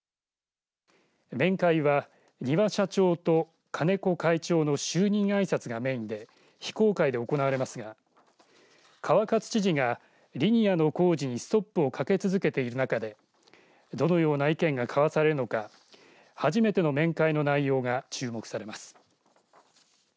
面会は丹羽社長と金子会長の就任あいさつがメインで非公開で行われますが川勝知事がリニアの工事にストップをかけ続けている中でどのような意見が交わされるのか初めての面会の内容が注目されます。